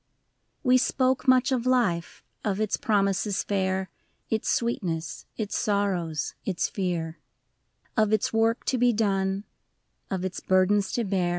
II. We spoke much of life, of its promises fair. Its sweetness, its sorrows, its fear : Of its work to be done, of its burdens to bear.